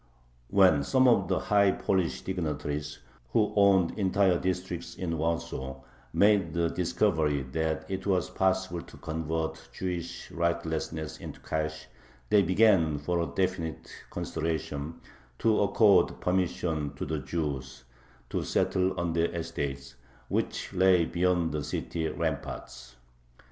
When some of the high Polish dignitaries, who owned entire districts in Warsaw, made the discovery that it was possible to convert Jewish rightlessness into cash, they began, for a definite consideration, to accord permission to the Jews to settle on their estates, which lay beyond the city ramparts.